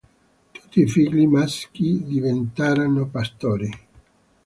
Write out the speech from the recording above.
Tutti i figli maschi diventeranno pastori.